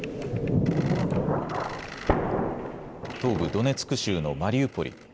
東部ドネツク州のマリウポリ。